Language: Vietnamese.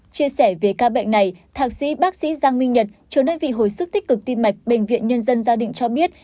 chia sẻ về ca bệnh này thạc sĩ bác sĩ giang minh nhật chủ đơn vị hồi sức tích cực tim mạch bệnh viện nhân dân gia đình cho biết